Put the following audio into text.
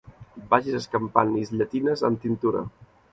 Vagis escampant is llatines amb tintura.